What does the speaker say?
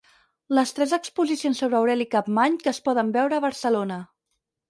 Les tres exposicions sobre Aureli Capmany que es poden veure a Barcelona.